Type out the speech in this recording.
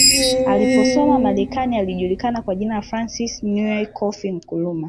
Aliposoma Marekani alijulikana kwa jina la Francis Nwia Kofi Nkrumah